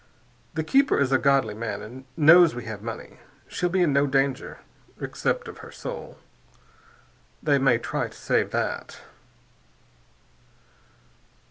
The keeper is a godly man and knows we have money. She'll be in no danger, except of her soul. They may try to save that."